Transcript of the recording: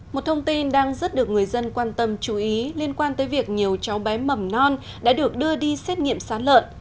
một thông tin đang rất được người dân quan tâm chú ý liên quan tới việc nhiều cháu bé mầm non đã được đưa đi xét nghiệm sán lợn